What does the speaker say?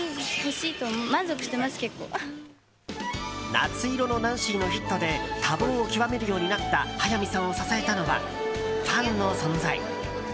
「夏色のナンシー」のヒットで多忙を極めるようになった早見さんを支えたのはファンの存在。